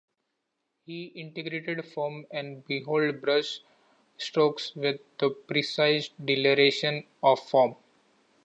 He integrated firm and bold brush strokes with the precise delineation of form.